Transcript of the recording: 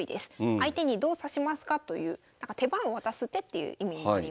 相手にどう指しますかという手番を渡す手っていう意味になります。